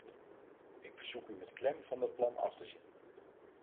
Ik verzoek u met klem van dat plan af te zien.